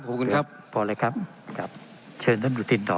ขอบคุณครับพอเลยครับครับเชิญท่านอยู่ตินต่อ